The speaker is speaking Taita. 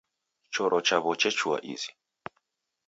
Choro chaw'o chechua izi.